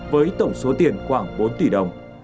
với tổng số tiền khoảng bốn tỷ đồng